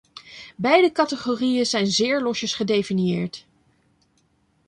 Beide categorieën zijn zeer losjes gedefinieerd.